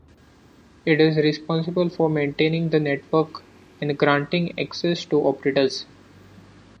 It is responsible for maintaining the network and granting access to operators.